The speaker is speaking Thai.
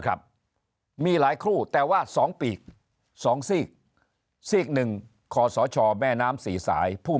ครับมีหลายคู่แต่ว่า๒ปีก๒ซีก๑ขศชแม่น้ำ๔สายผู้